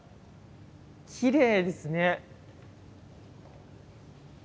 きれいですね。